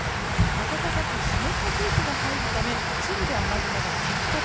暖かく湿った空気が入るため一部で雨雲が発達。